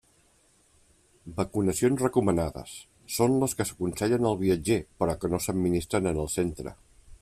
Vacunacions recomanades: són les que s'aconsellen al viatger, però que no s'administren en el centre.